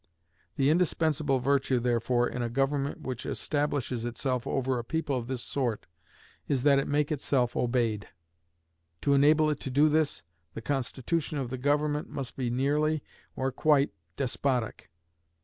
The indispensable virtue, therefore, in a government which establishes itself over a people of this sort is that it make itself obeyed. To enable it to do this, the constitution of the government must be nearly, or quite despotic.